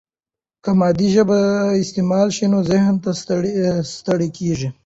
که مادي ژبه استعمال شي، نو ذهن نه ستړی کیږي.